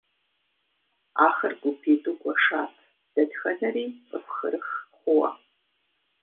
Ахэр гупитIу гуэшат, дэтхэнэри цIыху хырых хъууэ.